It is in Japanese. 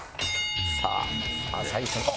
さあ最初の。